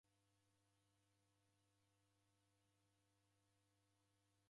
W'andu w'aenga w'ishoghonokie kisaya.